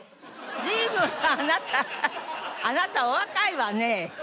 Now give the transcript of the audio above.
随分あなたあなたお若いわね。